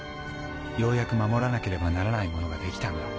ようやく守らなければならないものができたんだ。